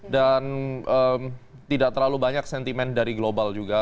dan tidak terlalu banyak sentimen dari global juga